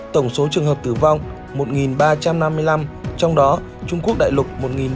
tổng số trường hợp tử vong một ba trăm năm mươi năm trong đó trung quốc đại lục một ba trăm năm mươi ba